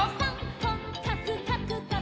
「こっかくかくかく」